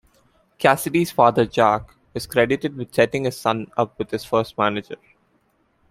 Cassidy's father Jack is credited with setting his son up with his first manager.